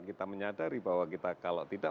kita menyadari bahwa kita kalau tidak